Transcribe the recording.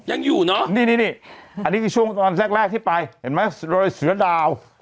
ยังอยู่เนาะนี่อันนี้คือช่วงตอนแรกที่ไปเห็นมั้ยโรยสุรดาว